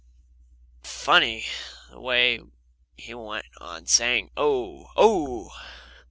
Funny, the way he went on saying, "Oh! Oh!"